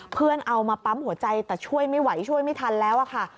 เพื่อนเอามาปั๊มหัวใจแต่ช่วยไม่ไหวช่วยไม่ทันแล้วอะค่ะ